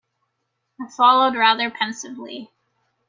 I followed rather pensively.